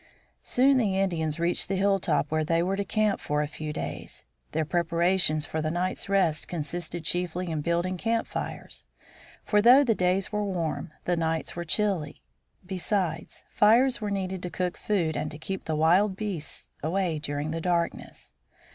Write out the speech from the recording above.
Soon the Indians reached the hilltop where they were to camp for a few days. Their preparations for the night's rest consisted chiefly in building camp fires; for, though the days were warm, the nights were chilly. Besides, fires were needed to cook food and to keep the wild beasts away during the darkness.